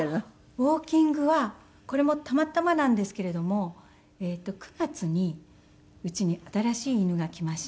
ウォーキングはこれもたまたまなんですけれども９月にうちに新しい犬が来まして。